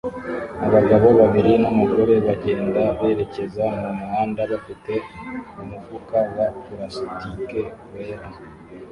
Abagabo babiri n’umugore bagenda berekeza mu muhanda bafite umufuka wa pulasitike wera